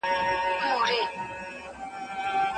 سم له واکه تللی د ازل او د اسمان یمه